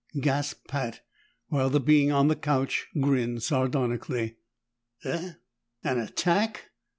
gasped Pat, while the being on the couch grinned sardonically. "Eh? An attack?